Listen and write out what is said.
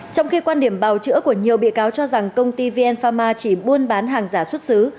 trong khi quan điểm bào chữa của nhiều bị cáo cho rằng công ty vn pharma chỉ buôn bán hàng giả xuất xứ